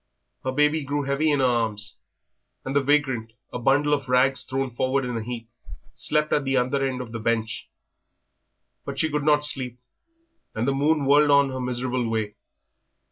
Her baby grew heavy in her arms, and the vagrant, a bundle of rags thrown forward in a heap, slept at the other end of the bench. But she could not sleep, and the moon whirled on her miserable way.